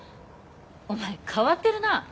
お前変わってるな。